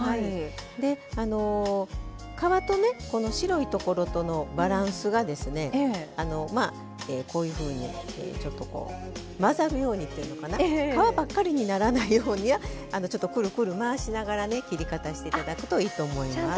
で皮とねこの白いところとのバランスがですねこういうふうにちょっとこうまざるようにというのかな皮ばっかりにならないようにちょっとくるくる回しながらね切り方して頂くといいと思います。